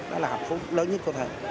đó là hạnh phúc lớn nhất của thầy